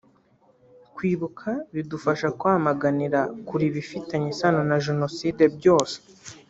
Kwibuka bidufasha kwamaganira kure ibifitanye isano na Jenoside byose